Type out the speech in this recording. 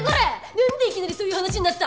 なんでいきなりそういう話になった！？